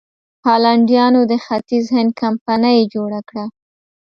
هالنډیانو د ختیځ هند کمپنۍ جوړه کړه.